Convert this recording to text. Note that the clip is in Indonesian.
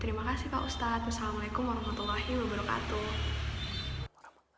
terima kasih pak ustadz assalamualaikum warahmatullahi wabarakatuh